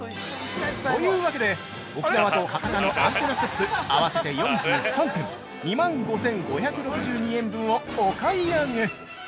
◆というわけで、沖縄と博多のアンテナショップあわせて４３点、２万５５６２円分をお買い上げ！